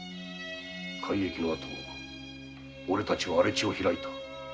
改易の後おれたちは荒れ地を拓いた。